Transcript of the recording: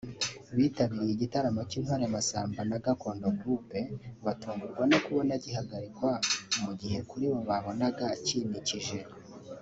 bitabiriye igitaramo cy’Intore Masamba na “Gakondo Group” batungurwa no kubona gihagarikwa mu gihe kuri bo babonaga kinikije